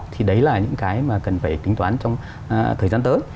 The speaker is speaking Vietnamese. thì đấy là những cái mà cần phải tính toán trong thời gian tới